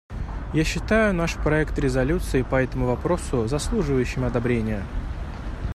Я считаю наш проект резолюции по этому вопросу заслуживающим одобрения.